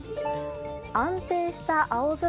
安定した青空。